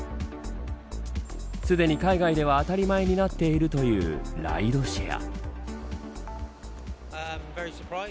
すでに海外では当たり前になっているというライドシェア。